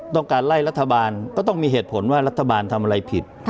ต้องการไล่รัฐบาลก็ต้องมีเหตุผลว่ารัฐบาลทำอะไรผิด